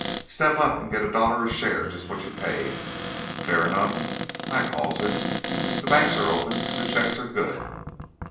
"Step up and get a dollar a share just what you paid. Fair enough, I calls it. The banks are open and the checks are good."